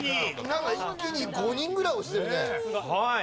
なんか一気に５人ぐらい押してるね。